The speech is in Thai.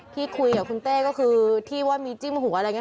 ที่คุยกับคุณเต้ก็คือที่ว่ามีจิ้มหัวอะไรอย่างนี้